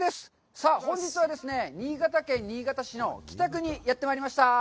さあ、本日は、新潟県新潟市の北区にやってまいりました。